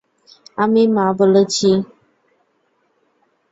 আমি মা বলেছি।